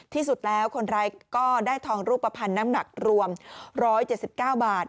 ที่สุดแล้วคนร้ายก็ได้ทองรูปภัณฑ์น้ำหนักรวม๑๗๙บาท